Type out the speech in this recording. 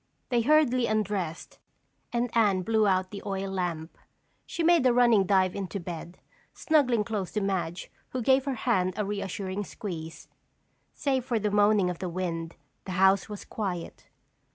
They hurriedly undressed and Anne blew out the oil lamp. She made a running dive into bed, snuggling close to Madge who gave her hand a reassuring squeeze. Save for the moaning of the wind, the house was quiet.